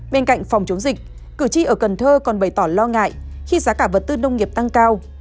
bên cạnh phòng chống dịch cử tri ở cần thơ còn bày tỏ lo ngại khi giá cả vật tư nông nghiệp tăng cao